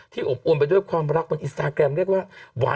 อบอวนไปด้วยความรักบนอินสตาแกรมเรียกว่าหวาน